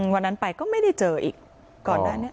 วันนั้นไปก็ไม่ได้เจออีกก่อนหน้านี้